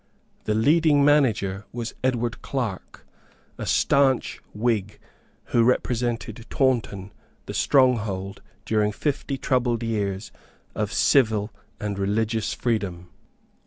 The leading manager was Edward Clarke, a stanch Whig, who represented Taunton, the stronghold, during fifty troubled years, of civil and religious freedom.